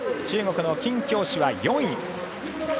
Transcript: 中国の金京珠は４位。